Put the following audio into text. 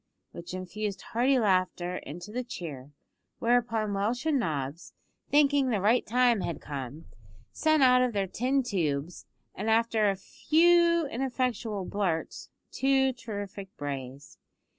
which infused hearty laughter into the cheer, whereupon Welsh and Nobbs, thinking the right time had come, sent out of their tin tubes, after a few ineffectual blurts, two terrific brays.